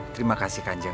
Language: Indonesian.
terima kasih kanjeng